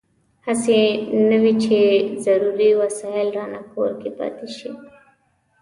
هسې نه وي چې ضروري وسایل رانه کور کې پاتې شي.